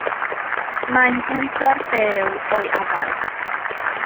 Mae'n bwydo'r bêl o'i afael.